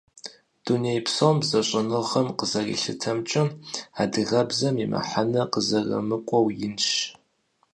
Дунейпсо бзэщӀэныгъэм къызэрилъытэмкӀэ, адыгэбзэм и мыхьэнэр къызэрымыкӀуэу инщ.